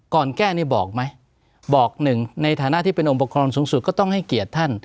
ก่อนแก้นี่บอกไหมบอกหนึ่งในฐานะที่เป็นองค์ประกอบสูงสุดก็ต้องให้เกียรติท่าน